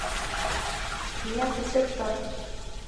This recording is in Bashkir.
Миңә күсеп тор!..